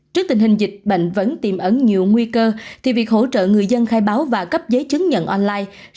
trước tình hình dịch bệnh vẫn tiềm ẩn nhiều nguy cơ thì việc hỗ trợ người dân khai báo và cấp giấy chứng nhận online